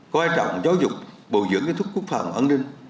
có ai trọng giáo dục bầu dưỡng kinh thức quốc phòng an ninh